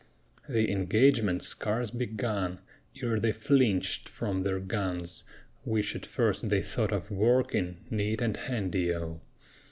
The engagement scarce begun Ere they flinched from their guns, Which at first they thought of working Neat and handy O!